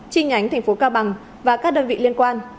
chi nhánh tp hcm và các đơn vị liên quan